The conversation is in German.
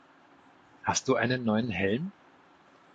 Hast du einen neuen Helm?